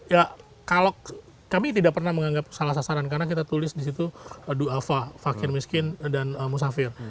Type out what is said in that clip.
ya kalau kami tidak pernah menganggap salah sasaran karena kita tulis di situ ⁇ duafa ⁇ fakir miskin dan musafir